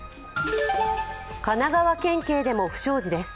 神奈川県警でも不祥事です。